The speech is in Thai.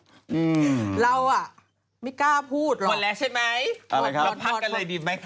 อืมเราอ่ะไม่กล้าพูดหมดแล้วใช่ไหมหมดครับเราพักกันเลยดีไหมคะ